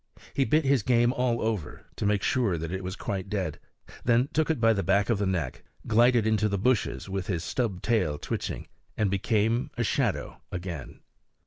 He bit his game all over, to make sure that it was quite dead, then took it by the back of the neck, glided into the bushes with his stub tail twitching, and became a shadow again.